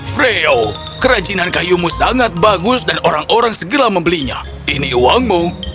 freo kerajinan kayumu sangat bagus dan orang orang segera membelinya ini uangmu